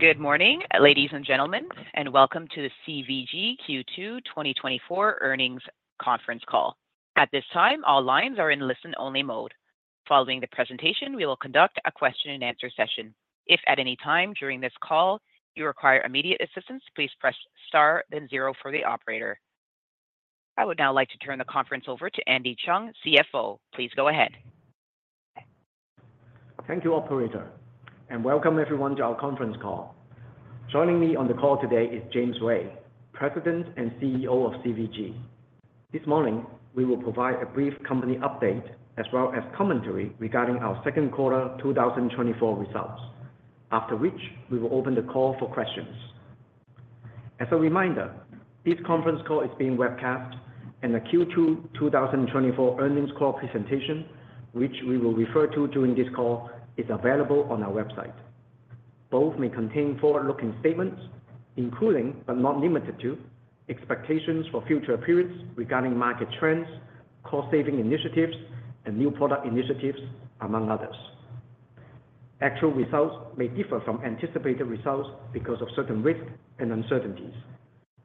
Good morning, ladies and gentlemen, and welcome to the CVG Q2 2024 earnings conference call. At this time, all lines are in listen-only mode. Following the presentation, we will conduct a question-and-answer session. If at any time during this call you require immediate assistance, please press star, then zero for the operator. I would now like to turn the conference over to Andy Cheung, CFO. Please go ahead. Thank you, operator, and welcome everyone to our conference call. Joining me on the call today is James Ray, President and CEO of CVG. This morning, we will provide a brief company update as well as commentary regarding our second quarter 2024 results. After which, we will open the call for questions. As a reminder, this conference call is being webcast and the Q2 2024 earnings call presentation, which we will refer to during this call, is available on our website. Both may contain forward-looking statements, including, but not limited to, expectations for future periods regarding market trends, cost-saving initiatives, and new product initiatives, among others. Actual results may differ from anticipated results because of certain risks and uncertainties.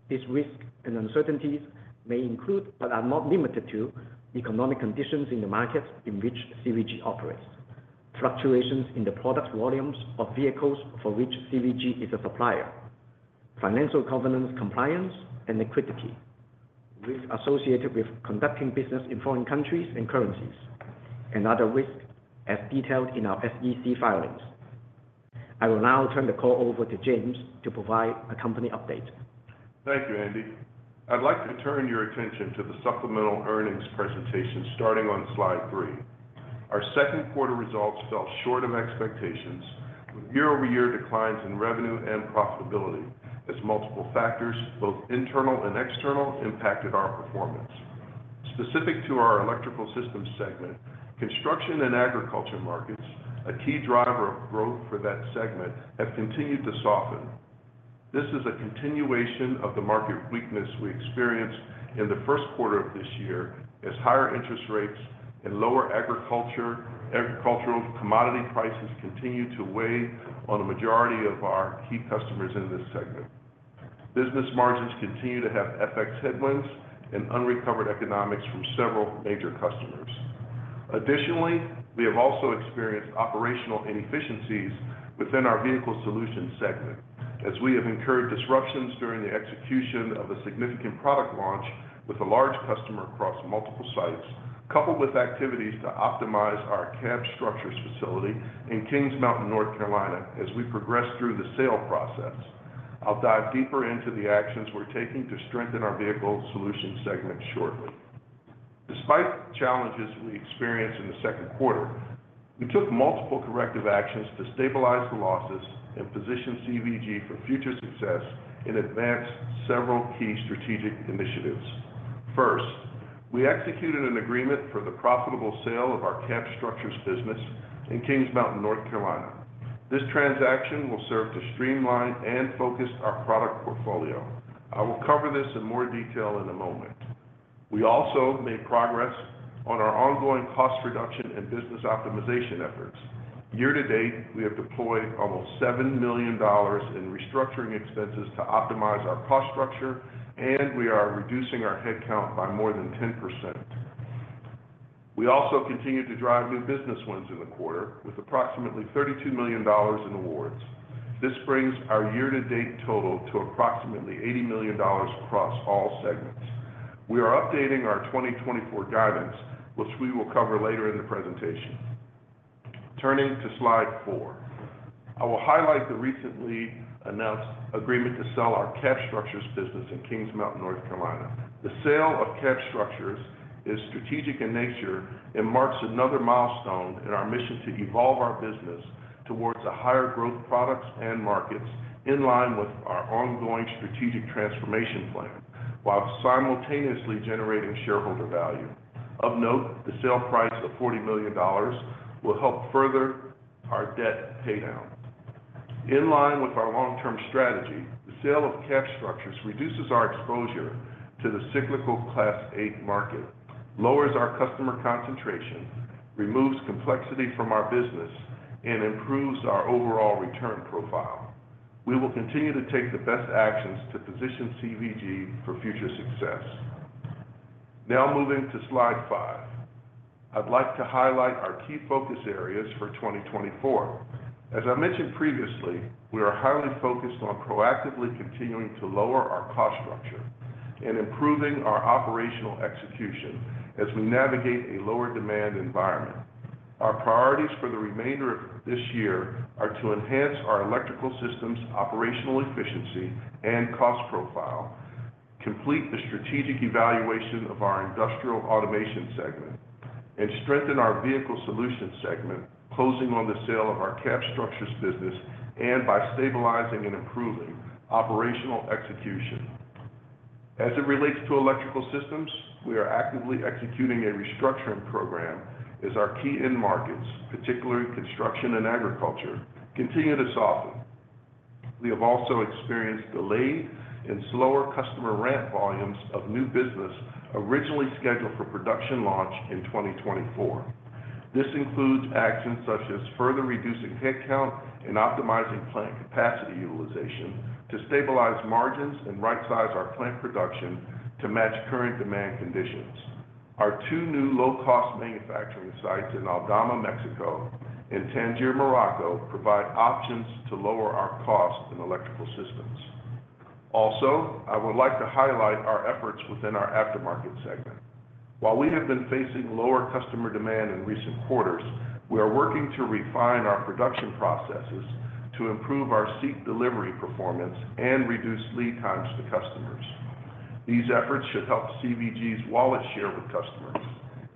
These risks and uncertainties may include, but are not limited to, economic conditions in the markets in which CVG operates, fluctuations in the product volumes of vehicles for which CVG is a supplier, financial governance, compliance, and liquidity, risks associated with conducting business in foreign countries and currencies, and other risks as detailed in our SEC filings. I will now turn the call over to James to provide a company update. Thank you, Andy. I'd like to turn your attention to the supplemental earnings presentation starting on slide three. Our second quarter results fell short of expectations, with year-over-year declines in revenue and profitability as multiple factors, both internal and external, impacted our performance. Specific to our Electrical Systems segment, construction and agriculture markets, a key driver of growth for that segment, have continued to soften. This is a continuation of the market weakness we experienced in the first quarter of this year, as higher interest rates and lower agricultural commodity prices continue to weigh on a majority of our key customers in this segment. Business margins continue to have FX headwinds and unrecovered economics from several major customers. Additionally, we have also experienced operational inefficiencies within our Vehicle Solutions segment, as we have incurred disruptions during the execution of a significant product launch with a large customer across multiple sites, coupled with activities to optimize our Cab Structures facility in Kings Mountain, North Carolina, as we progress through the sale process. I'll dive deeper into the actions we're taking to strengthen our Vehicle Solutions segment shortly. Despite the challenges we experienced in the second quarter, we took multiple corrective actions to stabilize the losses and position CVG for future success and advanced several key strategic initiatives. First, we executed an agreement for the profitable sale of our Cab Structures business in Kings Mountain, North Carolina. This transaction will serve to streamline and focus our product portfolio. I will cover this in more detail in a moment. We also made progress on our ongoing cost reduction and business optimization efforts. Year to date, we have deployed almost $7 million in restructuring expenses to optimize our cost structure, and we are reducing our headcount by more than 10%. We also continued to drive new business wins in the quarter with approximately $32 million in awards. This brings our year-to-date total to approximately $80 million across all segments. We are updating our 2024 guidance, which we will cover later in the presentation. Turning to slide four. I will highlight the recently announced agreement to sell our cab structures business in Kings Mountain, North Carolina. The sale of cab structures is strategic in nature and marks another milestone in our mission to evolve our business towards a higher growth products and markets in line with our ongoing strategic transformation plan, while simultaneously generating shareholder value. Of note, the sale price of $40 million will help further our debt paydown. In line with our long-term strategy, the sale of cab structures reduces our exposure to the cyclical Class 8 market, lowers our customer concentration, removes complexity from our business, and improves our overall return profile. We will continue to take the best actions to position CVG for future success. Now, moving to slide five. I'd like to highlight our key focus areas for 2024. As I mentioned previously, we are highly focused on proactively continuing to lower our cost structure and improving our operational execution as we navigate a lower demand environment. Our priorities for the remainder of this year are to enhance our electrical systems, operational efficiency, and cost profile, complete the strategic evaluation of our industrial automation segment, and strengthen our vehicle solutions segment, closing on the sale of our cab structures business, and by stabilizing and improving operational execution. As it relates to electrical systems, we are actively executing a restructuring program as our key end markets, particularly construction and agriculture, continue to soften. We have also experienced delayed and slower customer ramp volumes of new business originally scheduled for production launch in 2024.... This includes actions such as further reducing headcount and optimizing plant capacity utilization to stabilize margins and right-size our plant production to match current demand conditions. Our two new low-cost manufacturing sites in Aldama, Mexico, and Tangier, Morocco, provide options to lower our cost in electrical systems. Also, I would like to highlight our efforts within our Aftermarket segment. While we have been facing lower customer demand in recent quarters, we are working to refine our production processes to improve our seat delivery performance and reduce lead times to customers. These efforts should help CVG's wallet share with customers,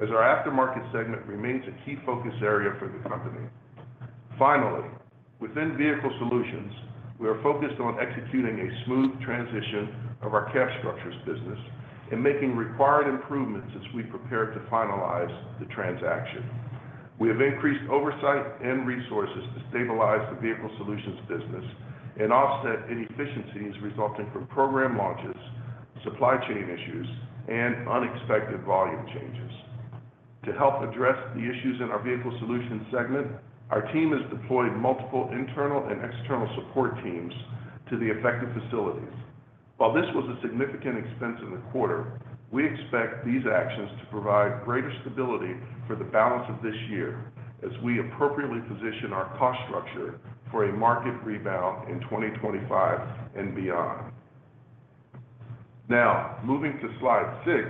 as our Aftermarket segment remains a key focus area for the company. Finally, within Vehicle Solutions, we are focused on executing a smooth transition of our cab structures business and making required improvements as we prepare to finalize the transaction. We have increased oversight and resources to stabilize the Vehicle Solutions business and offset inefficiencies resulting from program launches, supply chain issues, and unexpected volume changes. To help address the issues in our Vehicle Solutions segment, our team has deployed multiple internal and external support teams to the affected facilities. While this was a significant expense in the quarter, we expect these actions to provide greater stability for the balance of this year as we appropriately position our cost structure for a market rebound in 2025 and beyond. Now, moving to slide six,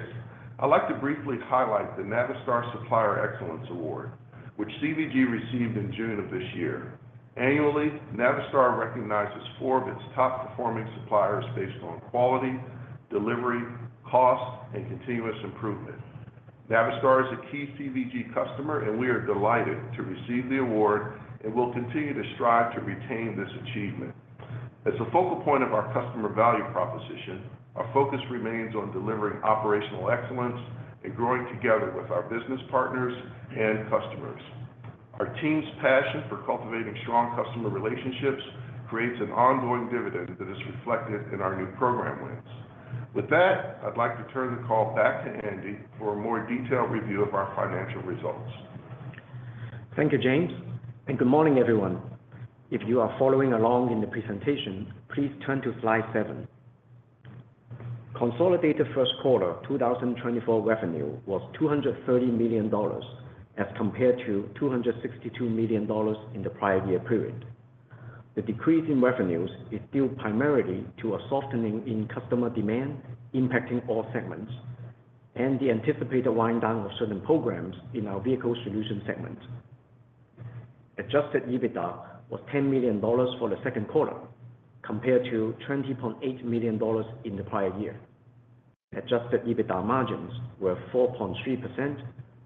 I'd like to briefly highlight the Navistar Supplier Excellence Award, which CVG received in June of this year. Annually, Navistar recognizes four of its top-performing suppliers based on quality, delivery, cost, and continuous improvement. Navistar is a key CVG customer, and we are delighted to receive the award, and we'll continue to strive to retain this achievement. As a focal point of our customer value proposition, our focus remains on delivering operational excellence and growing together with our business partners and customers. Our team's passion for cultivating strong customer relationships creates an ongoing dividend that is reflected in our new program wins. With that, I'd like to turn the call back to Andy for a more detailed review of our financial results. Thank you, James, and good morning, everyone. If you are following along in the presentation, please turn to slide seven. Consolidated first quarter 2024 revenue was $230 million, as compared to $262 million in the prior year period. The decrease in revenues is due primarily to a softening in customer demand impacting all segments and the anticipated wind down of certain programs in our Vehicle Solutions segment. Adjusted EBITDA was $10 million for the second quarter, compared to $20.8 million in the prior year. Adjusted EBITDA margins were 4.3%,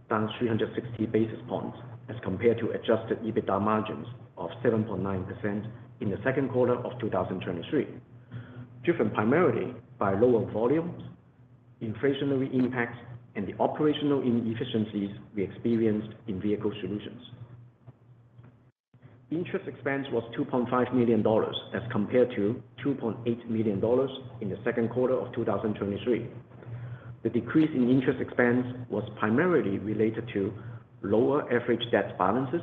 down 360 basis points as compared to adjusted EBITDA margins of 7.9% in the second quarter of 2023, driven primarily by lower volumes, inflationary impacts, and the operational inefficiencies we experienced in Vehicle Solutions. Interest expense was $2.5 million as compared to $2.8 million in the second quarter of 2023. The decrease in interest expense was primarily related to lower average debt balances,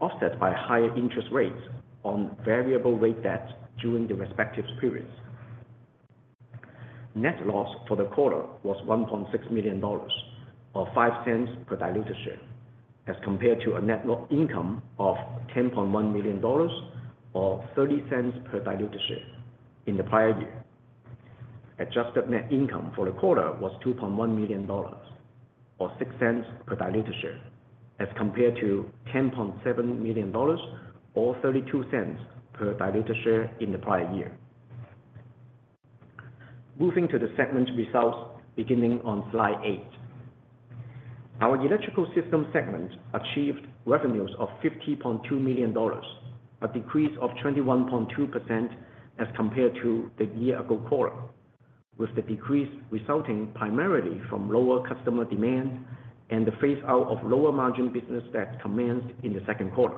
offset by higher interest rates on variable rate debt during the respective periods. Net loss for the quarter was $1.6 million, or $0.05 per diluted share, as compared to a net income of $10.1 million, or $0.30 per diluted share, in the prior year. Adjusted net income for the quarter was $2.1 million, or $0.06 per diluted share, as compared to $10.7 million, or $0.32 per diluted share, in the prior year. Moving to the segment results, beginning on slide eight. Our Electrical System segment achieved revenues of $50.2 million, a decrease of 21.2% as compared to the year-ago quarter, with the decrease resulting primarily from lower customer demand and the phaseout of lower-margin business that commenced in the second quarter.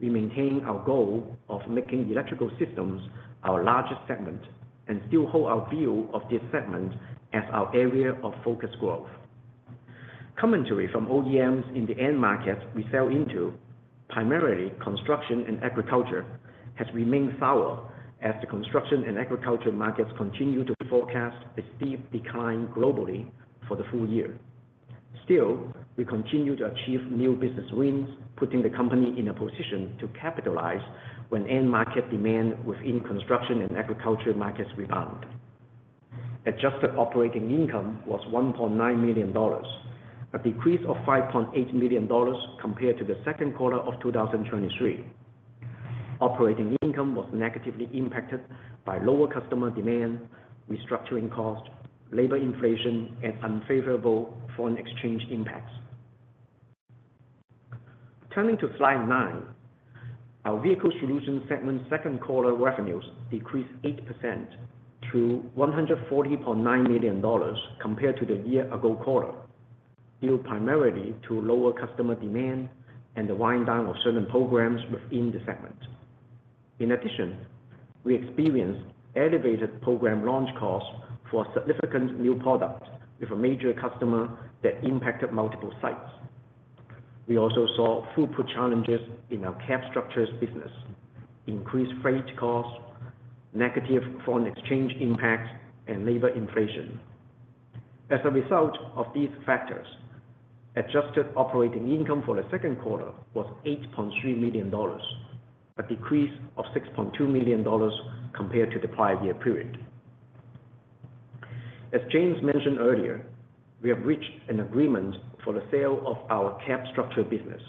We maintain our goal of making Electrical Systems our largest segment and still hold our view of this segment as our area of focused growth. Commentary from OEMs in the end markets we sell into, primarily construction and agriculture, has remained sour as the construction and agriculture markets continue to forecast a steep decline globally for the full year. Still, we continue to achieve new business wins, putting the company in a position to capitalize when end market demand within construction and agriculture markets rebound. Adjusted operating income was $1.9 million, a decrease of $5.8 million compared to the second quarter of 2023. Operating income was negatively impacted by lower customer demand, restructuring costs, labor inflation, and unfavorable foreign exchange impacts. Turning to slide nine, our Vehicle Solutions segment second quarter revenues decreased 8% to $140.9 million compared to the year-ago quarter, due primarily to lower customer demand and the wind down of certain programs within the segment. In addition, we experienced elevated program launch costs for significant new products with a major customer that impacted multiple sites. We also saw throughput challenges in our Cab Structures business, increased freight costs, negative foreign exchange impacts, and labor inflation. As a result of these factors, adjusted operating income for the second quarter was $8.3 million, a decrease of $6.2 million compared to the prior year period. As James mentioned earlier, we have reached an agreement for the sale of our cab structure business,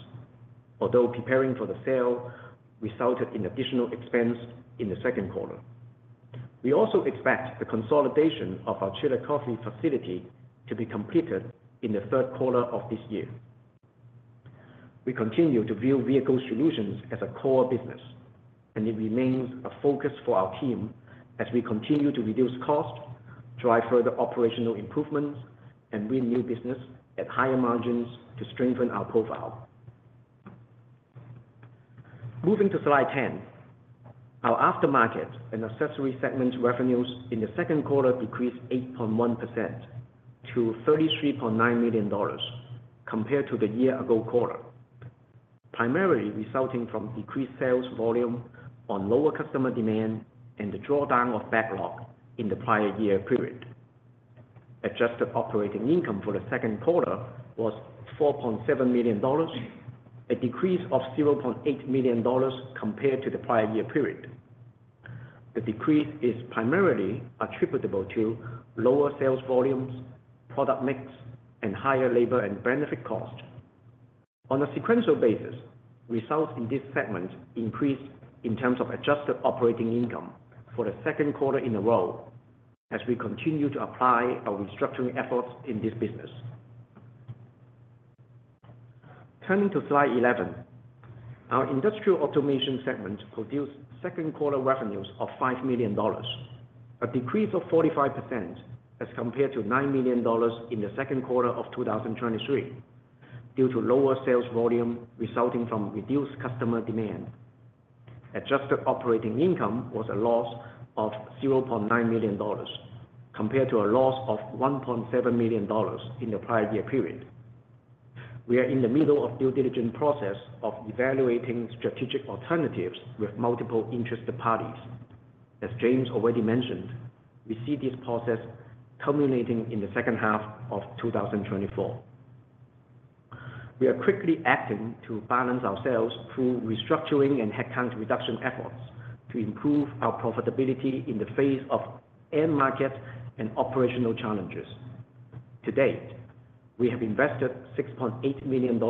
although preparing for the sale resulted in additional expense in the second quarter. We also expect the consolidation of our Chillicothe facility to be completed in the third quarter of this year. We continue to view Vehicle Solutions as a core business, and it remains a focus for our team as we continue to reduce costs, drive further operational improvements, and win new business at higher margins to strengthen our profile. Moving to slide 10. Our Aftermarket and Accessory segment revenues in the second quarter decreased 8.1% to $33.9 million compared to the year-ago quarter, primarily resulting from decreased sales volume on lower customer demand and the drawdown of backlog in the prior year period. Adjusted operating income for the second quarter was $4.7 million, a decrease of $0.8 million compared to the prior year period. The decrease is primarily attributable to lower sales volumes, product mix, and higher labor and benefit costs. On a sequential basis, results in this segment increased in terms of adjusted operating income for the second quarter in a row as we continue to apply our restructuring efforts in this business. Turning to slide 11, our Industrial Automation segment produced second quarter revenues of $5 million, a decrease of 45% as compared to $9 million in the second quarter of 2023, due to lower sales volume resulting from reduced customer demand. Adjusted operating income was a loss of $0.9 million, compared to a loss of $1.7 million in the prior year period. We are in the middle of due diligence process of evaluating strategic alternatives with multiple interested parties. As James already mentioned, we see this process culminating in the second half of 2024. We are quickly acting to balance ourselves through restructuring and headcount reduction efforts to improve our profitability in the face of end market and operational challenges. To date, we have invested $6.8 million in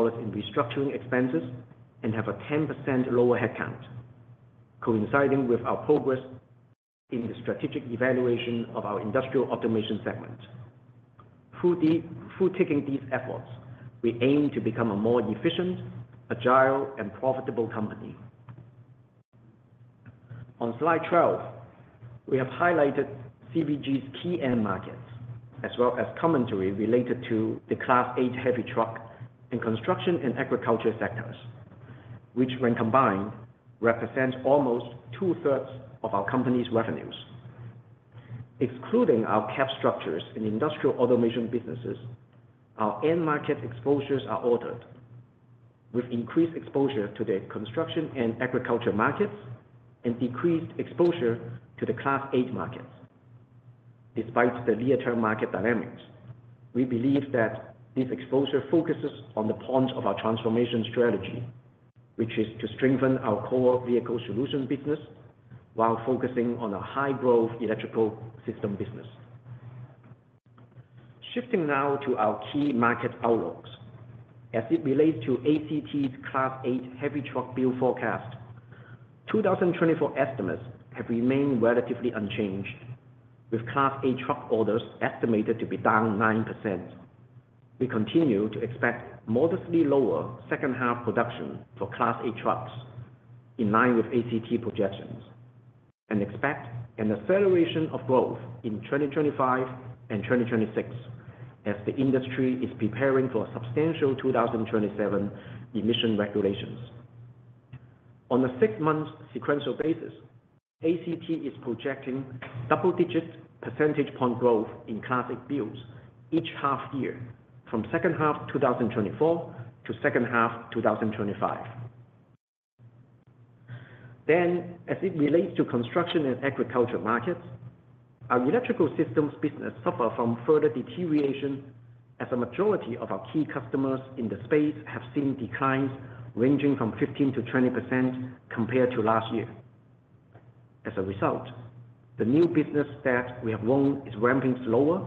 restructuring expenses and have a 10% lower headcount, coinciding with our progress in the strategic evaluation of our Industrial Automation segment. Through taking these efforts, we aim to become a more efficient, agile, and profitable company. On slide 12, we have highlighted CVG's key end markets, as well as commentary related to the Class 8 heavy truck and Construction and Agriculture sectors, which, when combined, represent almost two-thirds of our company's revenues. Excluding our cab structures and Industrial Automation businesses, our end market exposures are ordered, with increased exposure to the construction and agriculture markets and decreased exposure to the Class 8 markets. Despite the near-term market dynamics, we believe that this exposure focuses on the point of our transformation strategy, which is to strengthen our core Vehicle Solutions business while focusing on a high-growth Electrical Systems business. Shifting now to our key market outlooks. As it relates to ACT's Class 8 Heavy Truck build forecast, 2024 estimates have remained relatively unchanged, with Class 8 truck orders estimated to be down 9%. We continue to expect modestly lower second half production for Class 8 trucks, in line with ACT projections, and expect an acceleration of growth in 2025 and 2026 as the industry is preparing for substantial 2027 emission regulations. On a six-month sequential basis, ACT is projecting double-digit percentage point growth in Class 8 builds each half year, from second half 2024 to second half 2025. Then, as it relates to construction and agriculture markets, our electrical systems business suffer from further deterioration, as a majority of our key customers in the space have seen declines ranging from 15%-20% compared to last year. As a result, the new business that we have won is ramping slower,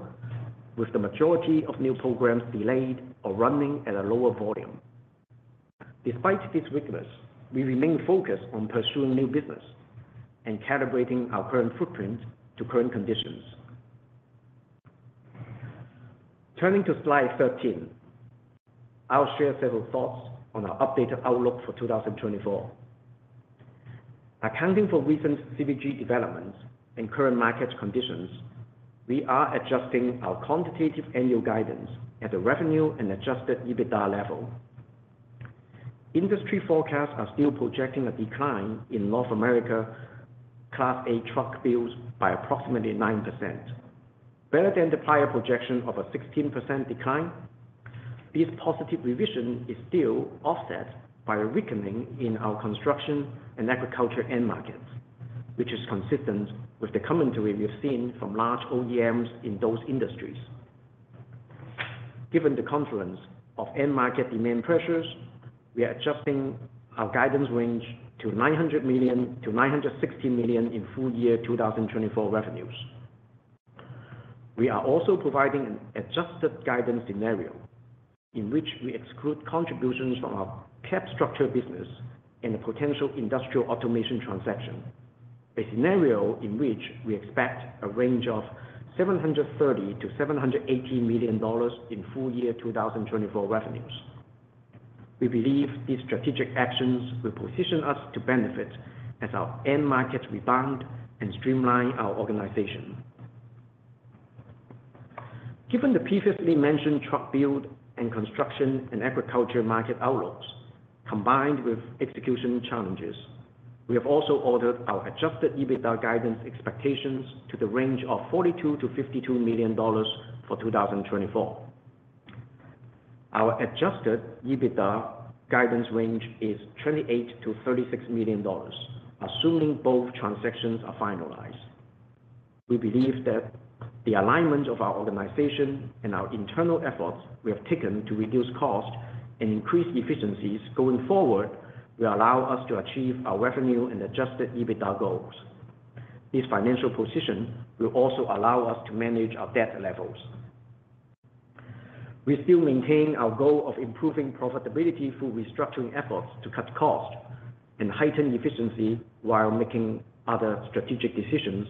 with the majority of new programs delayed or running at a lower volume. Despite this weakness, we remain focused on pursuing new business and calibrating our current footprint to current conditions. Turning to slide 13, I'll share several thoughts on our updated outlook for 2024. Accounting for recent CVG developments and current market conditions, we are adjusting our quantitative annual guidance at the revenue and adjusted EBITDA level. Industry forecasts are still projecting a decline in North America Class 8 truck builds by approximately 9%. Better than the prior projection of a 16% decline, this positive revision is still offset by a weakening in our construction and agriculture end markets, which is consistent with the commentary we've seen from large OEMs in those industries. Given the confluence of end market demand pressures, we are adjusting our guidance range to $900 million-$960 million in full year 2024 revenues. We are also providing an adjusted guidance scenario, in which we exclude contributions from our cab structure business and the potential industrial automation transaction. A scenario in which we expect a range of $730 million-$780 million in full year 2024 revenues. We believe these strategic actions will position us to benefit as our end markets rebound and streamline our organization. Given the previously mentioned truck build and construction and agriculture market outlooks, combined with execution challenges, we have also ordered our Adjusted EBITDA guidance expectations to the range of $42 million-$52 million for 2024. Our adjusted EBITDA guidance range is $28 million-$36 million, assuming both transactions are finalized. We believe that the alignment of our organization and our internal efforts we have taken to reduce costs and increase efficiencies going forward, will allow us to achieve our revenue and adjusted EBITDA goals. This financial position will also allow us to manage our debt levels. We still maintain our goal of improving profitability through restructuring efforts to cut costs and heighten efficiency, while making other strategic decisions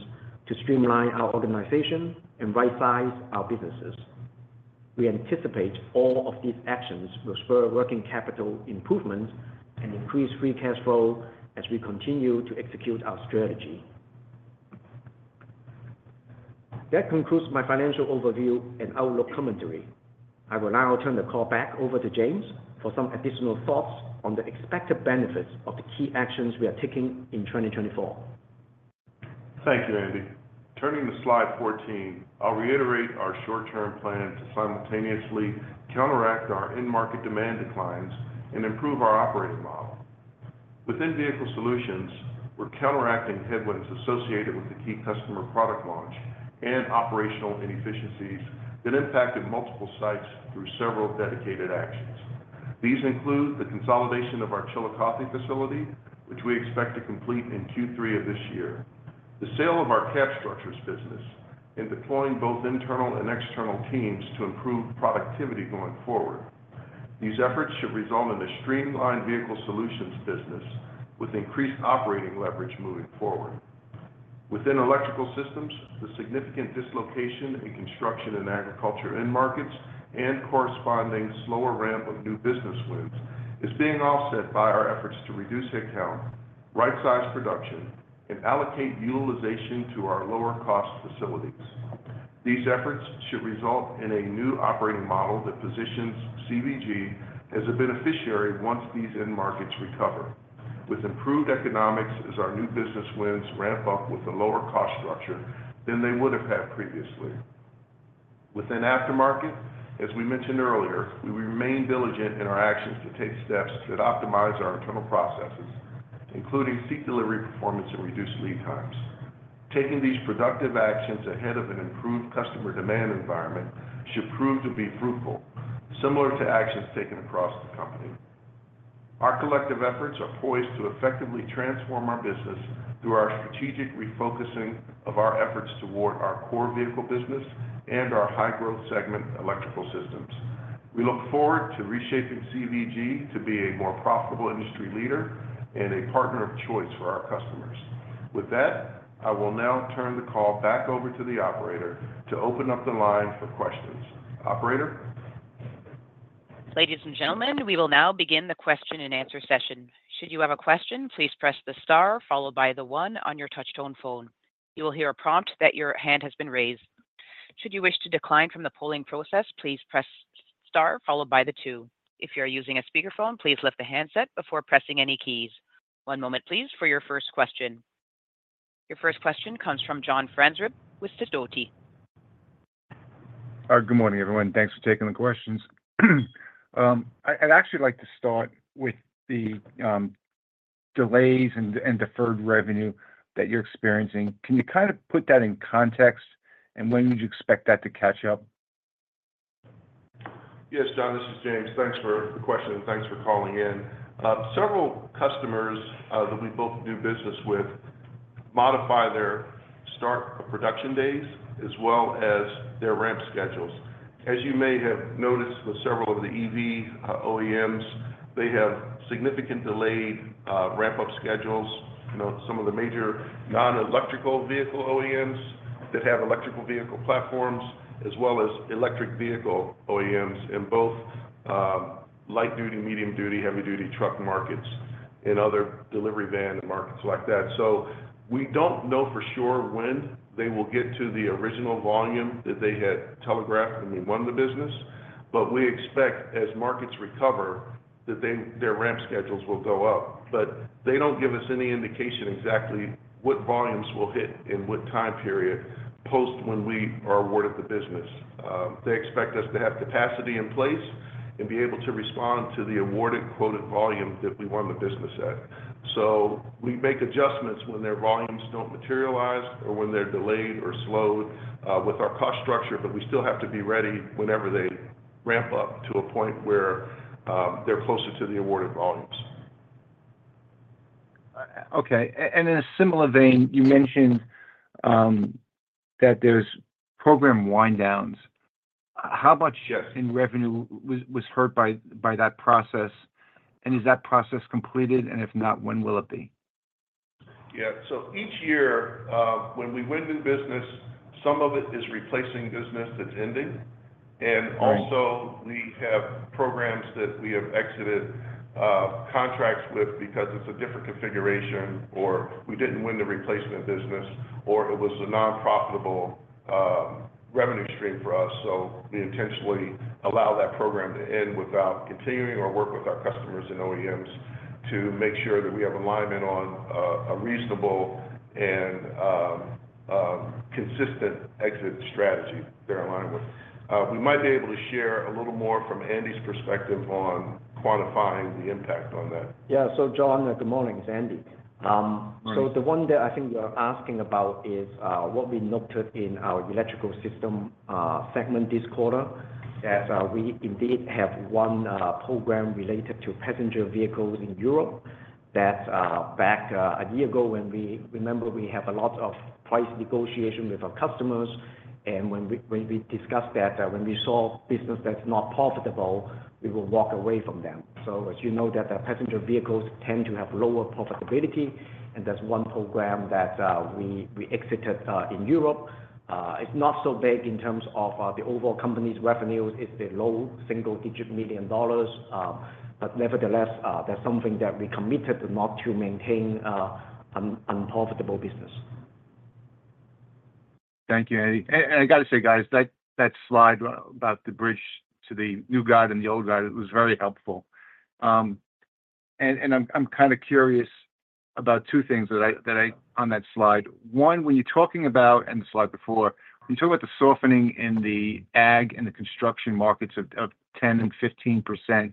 to streamline our organization and rightsize our businesses. We anticipate all of these actions will spur working capital improvements and increase free cash flow as we continue to execute our strategy. That concludes my financial overview and outlook commentary. I will now turn the call back over to James for some additional thoughts on the expected benefits of the key actions we are taking in 2024. Thank you, Andy. Turning to slide 14, I'll reiterate our short-term plan to simultaneously counteract our end market demand declines and improve our operating model. Within Vehicle Solutions, we're counteracting headwinds associated with the key customer product launch and operational inefficiencies that impacted multiple sites through several dedicated actions. These include the consolidation of our Chillicothe facility, which we expect to complete in Q3 of this year, the sale of our Cab Structures business, and deploying both internal and external teams to improve productivity going forward. These efforts should result in a streamlined Vehicle Solutions business, with increased operating leverage moving forward. Within Electrical Systems, the significant dislocation in construction and agriculture end markets, and corresponding slower ramp of new business wins, is being offset by our efforts to reduce headcount, rightsize production, and allocate utilization to our lower-cost facilities. These efforts should result in a new operating model that positions CVG as a beneficiary once these end markets recover. With improved economics as our new business wins ramp up with a lower cost structure than they would have had previously. Within aftermarket, as we mentioned earlier, we remain diligent in our actions to take steps that optimize our internal processes, including seat delivery, performance, and reduced lead times. Taking these productive actions ahead of an improved customer demand environment should prove to be fruitful, similar to actions taken across the company. Our collective efforts are poised to effectively transform our business through our strategic refocusing of our efforts toward our core vehicle business and our high-growth segment, electrical systems. We look forward to reshaping CVG to be a more profitable industry leader and a partner of choice for our customers. With that, I will now turn the call back over to the operator to open up the line for questions. Operator? Ladies and gentlemen, we will now begin the question-and-answer session. Should you have a question, please press the star followed by the one on your touchtone phone. You will hear a prompt that your hand has been raised. Should you wish to decline from the polling process, please press star followed by the two. If you are using a speakerphone, please lift the handset before pressing any keys. One moment, please, for your first question. Your first question comes from John Franzreb with Sidoti. Good morning, everyone. Thanks for taking the questions. I'd actually like to start with the delays and deferred revenue that you're experiencing. Can you kind of put that in context, and when would you expect that to catch up? Yes, John, this is James. Thanks for the question, and thanks for calling in. Several customers that we both do business with modify their start of production days as well as their ramp schedules. As you may have noticed with several of the EV OEMs, they have significant delayed ramp-up schedules. You know, some of the major non-electrical vehicle OEMs that have electrical vehicle platforms, as well as electric vehicle OEMs in both light-duty, medium-duty, heavy-duty truck markets... and other delivery van and markets like that. So we don't know for sure when they will get to the original volume that they had telegraphed when we won the business, but we expect, as markets recover, that their ramp schedules will go up. But they don't give us any indication exactly what volumes we'll hit in what time period, post when we are awarded the business. They expect us to have capacity in place and be able to respond to the awarded quoted volume that we won the business at. So we make adjustments when their volumes don't materialize, or when they're delayed or slowed, with our cost structure, but we still have to be ready whenever they ramp up to a point where they're closer to the awarded volumes. Okay. And in a similar vein, you mentioned that there's program wind downs. How much- Yes In revenue was hurt by that process? And is that process completed, and if not, when will it be? Yeah. So each year, when we win new business, some of it is replacing business that's ending. Right. Also, we have programs that we have exited contracts with because it's a different configuration, or we didn't win the replacement business, or it was a non-profitable revenue stream for us. So we intentionally allow that program to end without continuing our work with our customers and OEMs to make sure that we have alignment on a reasonable and consistent exit strategy they're aligned with. We might be able to share a little more from Andy's perspective on quantifying the impact on that. Yeah. So, John, good morning, it's Andy. Right. So the one that I think you are asking about is what we noted in our Electrical Systems segment this quarter, as we indeed have one program related to passenger vehicles in Europe that, back a year ago, when we remember, we have a lot of price negotiation with our customers, and when we discussed that, when we saw business that's not profitable, we will walk away from them. So as you know, that the passenger vehicles tend to have lower profitability, and that's one program that we exited in Europe. It's not so big in terms of the overall company's revenues. It's a low single-digit $ million, but nevertheless, that's something that we committed not to maintain an unprofitable business. Thank you, Andy. And I got to say, guys, that slide about the bridge to the new guy and the old guy, it was very helpful. And I'm kind of curious about two things on that slide. One, were you talking about, and the slide before, you talked about the softening in the ag and the construction markets of 10% and 15%.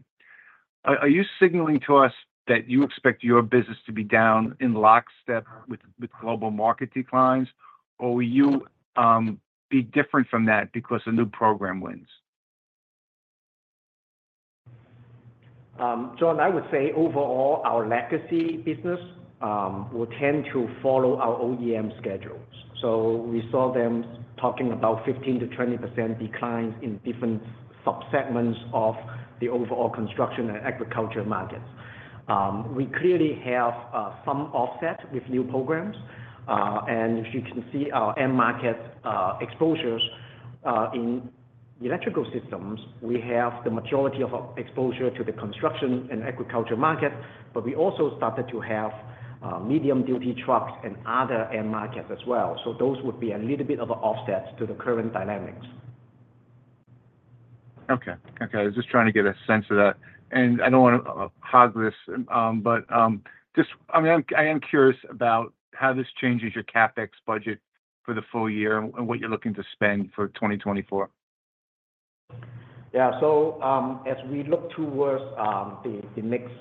Are you signaling to us that you expect your business to be down in lockstep with global market declines? Or will you be different from that because of new program wins? John, I would say overall, our legacy business will tend to follow our OEM schedules. So we saw them talking about 15%-20% declines in different subsegments of the overall construction and agriculture markets. We clearly have some offset with new programs, and as you can see, our end market exposures in electrical systems, we have the majority of our exposure to the construction and agriculture market, but we also started to have medium-duty trucks and other end markets as well. So those would be a little bit of an offset to the current dynamics. Okay. Okay, I was just trying to get a sense of that. And I don't want to hog this, but I mean, I am curious about how this changes your CapEx budget for the full year and what you're looking to spend for 2024. Yeah. So, as we look towards the next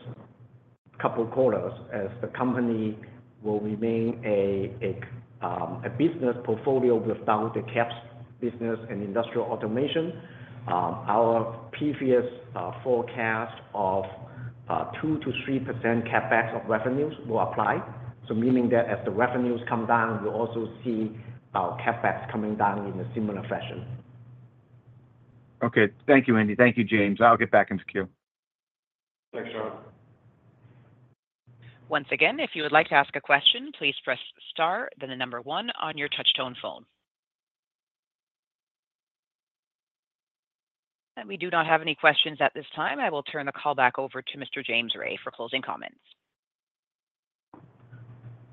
couple of quarters, as the company will remain a business portfolio with the cabs business and industrial automation, our previous forecast of 2%-3% CapEx of revenues will apply. So meaning that as the revenues come down, we'll also see our CapEx coming down in a similar fashion. Okay. Thank you, Andy. Thank you, James. I'll get back into queue. Thanks, John. Once again, if you would like to ask a question, please press star, then the number one on your touch tone phone. We do not have any questions at this time. I will turn the call back over to Mr. James Ray for closing comments.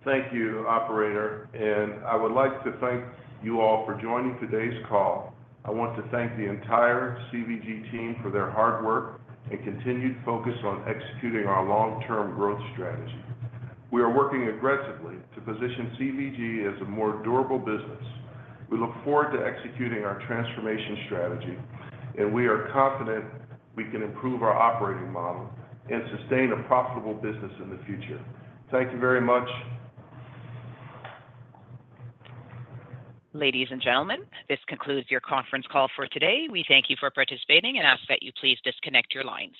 Thank you, operator, and I would like to thank you all for joining today's call. I want to thank the entire CVG team for their hard work and continued focus on executing our long-term growth strategy. We are working aggressively to position CVG as a more durable business. We look forward to executing our transformation strategy, and we are confident we can improve our operating model and sustain a profitable business in the future. Thank you very much. Ladies and gentlemen, this concludes your conference call for today. We thank you for participating and ask that you please disconnect your lines.